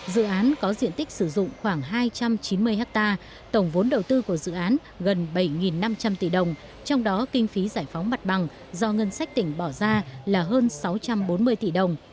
dự án có diện tích sử dụng khoảng hai trăm chín mươi hectare tổng vốn đầu tư của dự án gần bảy năm trăm linh tỷ đồng trong đó kinh phí giải phóng mặt bằng do ngân sách tỉnh bỏ ra là hơn sáu trăm bốn mươi tỷ đồng